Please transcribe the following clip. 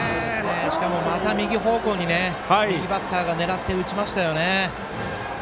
しかもまた右方向に右バッターが狙って打ちましたよね。